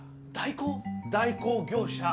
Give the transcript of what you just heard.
代行業者。